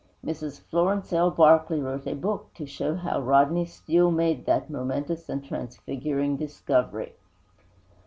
Mrs. Florence L. Barclay wrote a book to show how Rodney Steele made that momentous and transfiguring discovery.